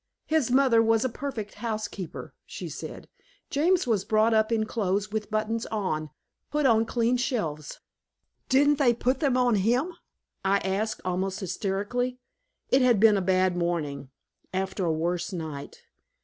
"His mother was a perfect housekeeper," she said. "James was brought up in clothes with the buttons on, put on clean shelves." "Didn't they put them on him?" I asked, almost hysterically. It had been a bad morning, after a worse night.